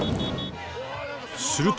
すると。